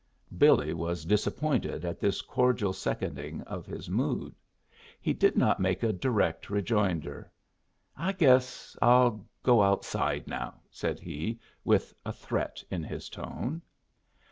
Billy was disappointed at this cordial seconding of his mood. He did not make a direct rejoinder. "I guess I'll go outside now," said he, with a threat in his tone.